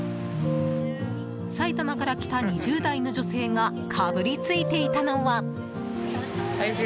埼玉から来た２０代の女性がかぶりついていたのは。